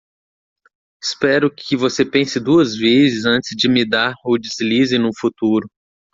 Espero que? você pense duas vezes antes de me dar o deslize no futuro.